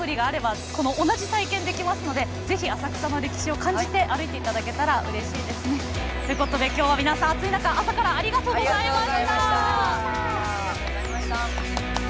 視聴者の皆さんもこのアプリがあれば同じ体験ができますのでぜひ浅草の歴史を感じて歩いていただけたらうれしいです。ということで今日は皆さん暑い中朝からありがとうございました。